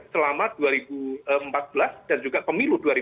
selama dua ribu empat belas dan juga pemilu dua ribu sembilan belas